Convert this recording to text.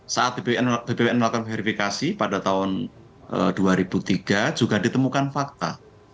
saat bppn melakukan verifikasi pada tahun dua ribu tiga juga ditemukan fakta